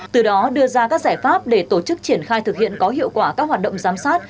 từ đó đưa ra các giải pháp để tổ chức triển khai thực hiện có hiệu quả các hoạt động giám sát